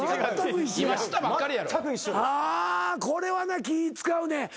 あこれはね気使うねん。